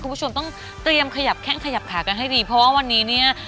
คุณผู้ชมต้องเตรียมขยับแข้งขยับขากันให้ดีเพราะว่าวันนี้เนี่ย